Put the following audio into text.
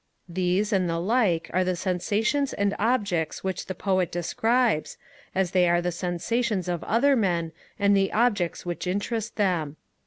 These, and the like, are the sensations and objects which the Poet describes, as they are the sensations of other men, and the objects which interest them.